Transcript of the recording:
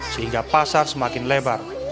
sehingga pasar semakin lebar